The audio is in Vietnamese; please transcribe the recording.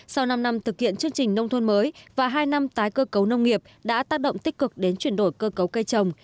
sau năm năm thực hiện chương trình nông thôn mới và hai năm tái cơ cấu nông nghiệp đã tác động tích cực đến chuyển đổi cơ cấu cây trồng